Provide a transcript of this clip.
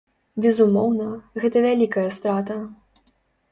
Безумоўна, гэта вялікая страта.